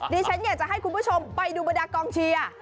ดิฉันอยากจะให้คุณผู้ชมไปดูบรรดากองเชียร์